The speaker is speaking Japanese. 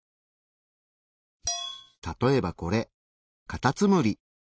例えばこれカタツムリ。